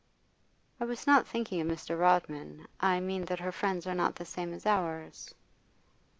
'I was not thinking of Mr. Rodman. I mean that her friends are not the same as ours.